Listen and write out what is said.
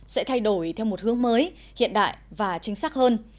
sẽ thay đổi theo một hướng mới hiện đại và chính xác hơn